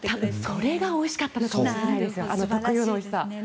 それがおいしかったのかもしれないですね。